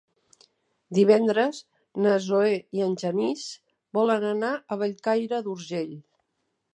Divendres na Zoè i en Genís volen anar a Bellcaire d'Urgell.